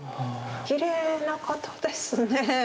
きれいな方ですね。